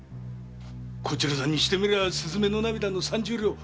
こちらさんにしてみりゃスズメの涙の三十両。